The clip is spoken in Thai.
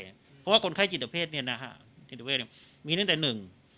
เพราะว่าคนไข้จิตเพศเนี่ยนะฮะจิตเวทมีตั้งแต่หนึ่ง